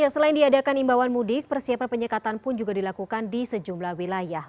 selain diadakan imbauan mudik persiapan penyekatan pun juga dilakukan di sejumlah wilayah